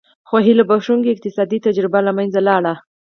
خو هیله بښوونکې اقتصادي تجربې له منځه لاړې.